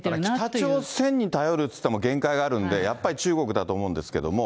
北朝鮮に頼るっていっても限界があるんで、やっぱり中国だと思うんですけども。